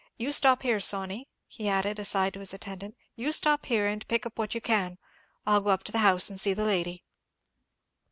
"You stop here, Sawney," he added, aside to his attendant; "you stop here, and pick up what you can. I'll go up to the house and see the lady."